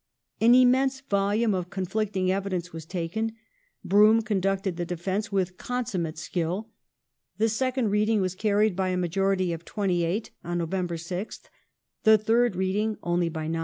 An immense volume of conflicting evidence was taken ; Brougham con ducted the defence with consummate skill ; the second Reading was carried by a majority of 28 (Nov. 6th), the third Reading only by 9.